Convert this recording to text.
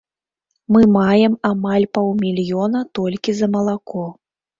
Мы маем амаль паўмільёна толькі за малако.